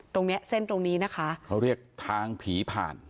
ตรงเนี้ยเส้นตรงนี้นะคะเขาเรียกทางผีผ่าน